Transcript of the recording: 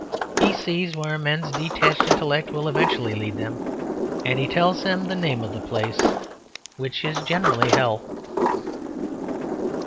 He sees where men's detached intellect will eventually lead them, and he tells them the name of the place which is generally hell.